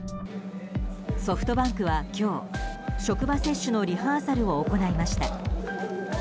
ソフトバンクは今日職場接種のリハーサルを行いました。